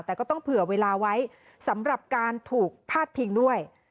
แต่ก็ต้องเผื่อเวลาไว้สำหรับการถูกพาดพิงด้วย